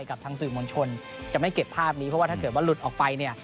กับทางสื่อมวลชนจะไม่เก็บภาพนี้เพราะว่าถ้าเกิดว่าหลุดออกไปเนี่ย